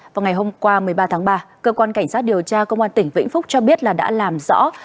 vào ngày hôm qua một mươi ba tháng ba cơ quan cảnh sát điều tra công an tỉnh vĩnh phúc cho biết là đã làm rõ